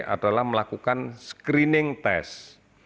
adalah melakukan screening test